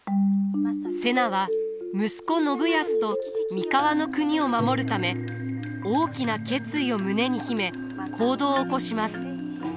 瀬名は息子信康と三河国を守るため大きな決意を胸に秘め行動を起こします。